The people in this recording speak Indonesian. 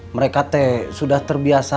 mereka sudah terbiasa